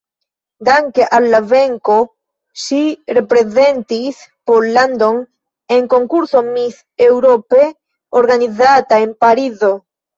Danke al la venko ŝi reprezentis Pollandon en konkurso Miss Europe organizata en Parizo.